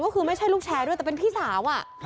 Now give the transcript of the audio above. ก็คือไม่ใช่ลูกแชร์ด้วยแต่เป็นพี่สาว